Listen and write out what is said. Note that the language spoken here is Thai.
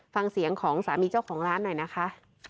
ฟังเสียงของสามีเจ้าของร้านหน่อยนะคะ